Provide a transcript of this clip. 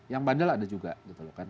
yang bandel ada juga gitu loh kan